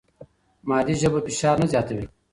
مادي ژبه فشار نه زیاتوي.